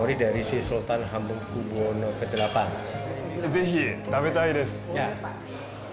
ぜひ食べたいです。